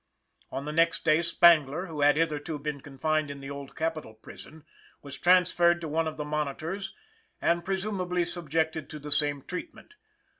On the next day Spangler, who had hitherto been confined in the Old Capitol Prison, was transferred to one of the Monitors and presumably subjected to the same treatment.